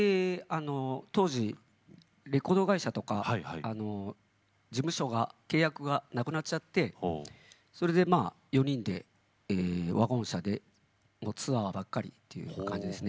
当時レコード会社とか事務所が契約がなくなっちゃってそれで４人でワゴン車でツアーばかりという感じですね。